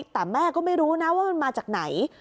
แต่แม่ก็ไม่รู้นะว่ามันมาจากไหน